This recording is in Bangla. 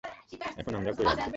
এখন, আমরা কই হাগবো?